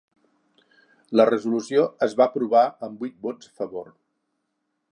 La resolució es va aprovar amb vuit vots a favor.